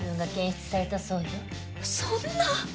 そんな！